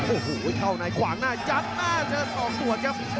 โอ้โหเข้าในขวางหน้ายัดหน้าเจอศอกส่วนครับ